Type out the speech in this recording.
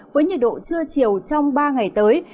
với nhiệt độ chưa chiều trong ba ngày tới